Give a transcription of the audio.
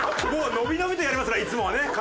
もう伸び伸びとやりますからいつもはね。